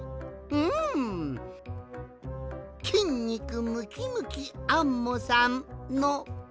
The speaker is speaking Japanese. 「きんにくムキムキアンモさん」の「き」！